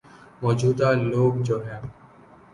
موجود ہ لوگ جو ہیں۔